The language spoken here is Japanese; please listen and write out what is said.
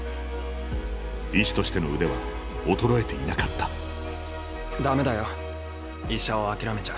医師としての腕は衰えていなかったダメだよ医者を諦めちゃ。